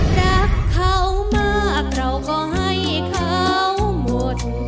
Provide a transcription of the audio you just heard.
รักเขามากเราก็ให้เขาหมด